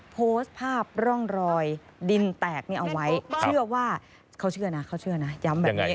โพสต์ภาพร่องรอยดินแตกนี้เอาไว้เชื่อว่าเขาเชื่อนะเขาเชื่อนะย้ำแบบนี้